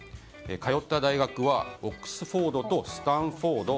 通った大学はオックスフォードとスタンフォード。